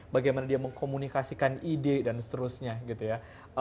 bagaimana dia mengkomunikasikan ide dan seterusnya gitu ya